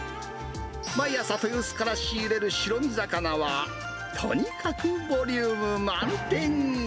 毎朝、豊洲から仕入れる白身魚は、とにかくボリューム満点。